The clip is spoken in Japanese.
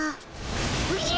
おじゃ！